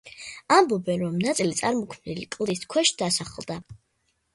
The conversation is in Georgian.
ამბობენ, რომ ნაწილი წარმოქმნილი კლდის ქვეშ დასახლდა.